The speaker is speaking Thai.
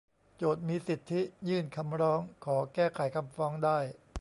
โจทก์มีสิทธิยื่นคำร้องขอแก้ไขคำฟ้องได้